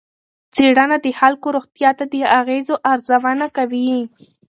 څېړنه د خلکو روغتیا ته د اغېزو ارزونه کوي.